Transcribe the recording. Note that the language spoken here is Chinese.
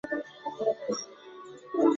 成绩较好学生可自行加科至十科。